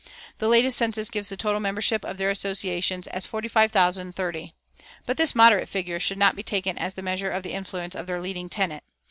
The latest census gives the total membership of their associations as 45,030. But this moderate figure should not be taken as the measure of the influence of their leading tenet.